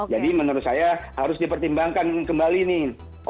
jadi menurut saya harus dipertimbangkan kembali nih